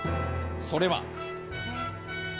それは。